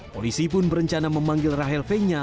polisi pun berencana memanggil rahel fenya